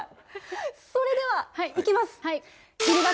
それではいきます。